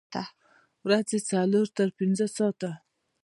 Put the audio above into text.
ورځې څلور تر پنځه ساعته